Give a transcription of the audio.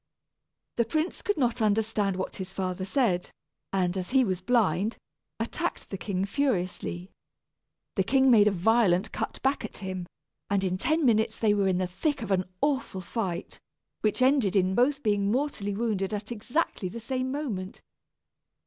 The prince could not understand what his father said, and as he was blind, attacked the king furiously. The king made a violent cut back at him, and in ten minutes they were in the thick of an awful fight, which ended in both being mortally wounded at exactly the same moment.